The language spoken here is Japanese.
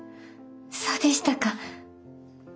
そうでしたか。